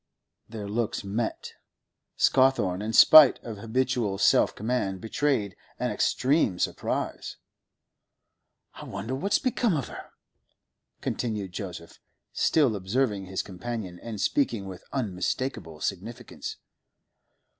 Their looks met. Scawthorne, in spite of habitual self command, betrayed an extreme surprise. 'I wonder what's become of her?' continued Joseph, still observing his companion, and speaking with unmistakable significance.